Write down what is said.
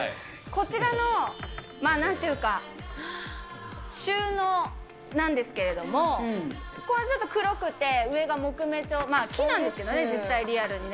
こちらのなんていうか、収納なんですけれども、これ、ちょっと黒くて、上が木目調、木なんですけどね、実際、リアルに。